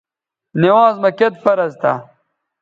نِوانز مہ کِت فرض تھا